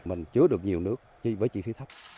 mình chứa được nhiều nước với chi phí thấp